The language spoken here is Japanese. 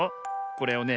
これをね